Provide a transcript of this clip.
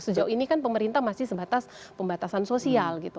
sejauh ini kan pemerintah masih sebatas pembatasan sosial gitu